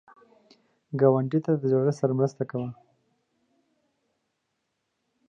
ګاونډي ته د زړښت سره مرسته کوه